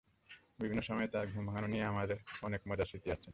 বিভিন্ন সময়ে তাঁর ঘুম ভাঙানো নিয়ে আমাদের অনেক মজার স্মৃতি আছে।